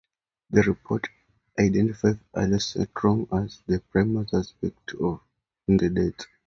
The report identified alosetron as the "primary suspect" in the death.